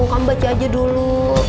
kamu baca aja dulu